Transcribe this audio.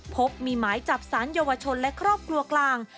พบมีหมายจับสารเยาวชนและครอบครัวกลาง